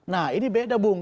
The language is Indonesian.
nah ini beda bung